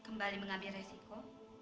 kembali mengambil resiko